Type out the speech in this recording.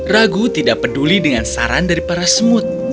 ragu tidak peduli dengan saran dari para semut